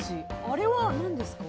あれは何ですか？